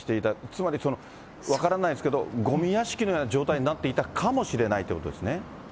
つまり分からないですけど、ごみ屋敷のような状態になっていたかもしれないということですね。